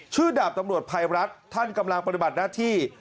ดาบตำรวจภัยรัฐท่านกำลังปฏิบัติหน้าที่